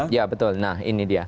ya betul nah ini dia